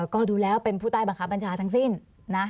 ก็ดูแล้วเป็นผู้ใต้บังคับบัญชาทั้งสิ้นนะ